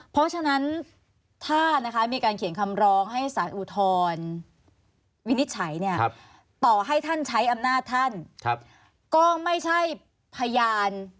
เพราะฉะนั้นถ้านะคะมีการเขียนคำร้องให้สารอุทธรวินิจฉัยเนี่ยต่อให้ท่านใช้อำนาจท่านก็ไม่ใช่พยาน